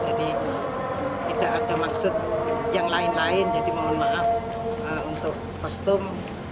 ketika kita menerima kegiatan dari anak anak kita tidak bisa menerima kegiatan dari anak anak jadi mohon maaf untuk kostum